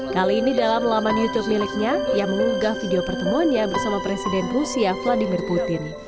kali ini dalam laman youtube miliknya ia mengunggah video pertemuannya bersama presiden rusia vladimir putin